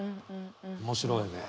面白いね。